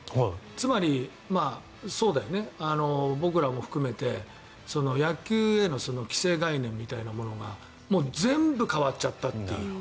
つまり、ぼくらも含めて野球への既成概念みたいなものがもう全部変わっちゃったっていう。